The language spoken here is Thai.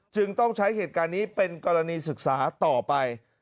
จึงต้องใช้เหตุการณ์นี้เป็นกรณีศึกษาต่อไป